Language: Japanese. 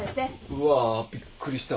うわあびっくりした。